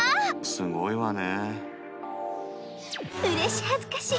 すごいわね。